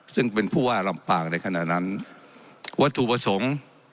ซึ่งเป็นผู้ว่าลำปางในขณะนั้นวัตถุประสงค์